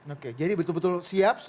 oke jadi betul betul siap